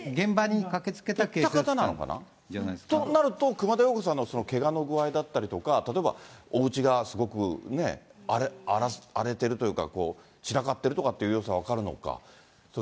行った方なのかな。となると、熊田曜子さんのけがの具合だったりとか、例えばおうちがすごくね、荒れてるというか、散らかってるとかっていう様子は分かるのか。